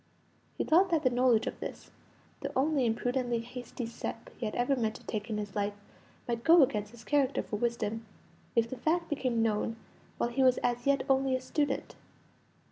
He thought that the knowledge of this, the only imprudently hasty step he ever meant to take in his life, might go against his character for wisdom, if the fact became known while he was as yet only a student.